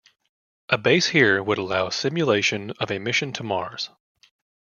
A base here would allow simulation of a mission to Mars.